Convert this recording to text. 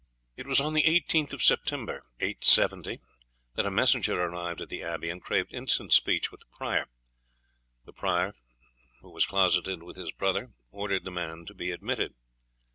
It was on the 18th of September, 870, that a messenger arrived at the abbey and craved instant speech with the prior. The latter, who was closeted with his brother, ordered the man to be admitted.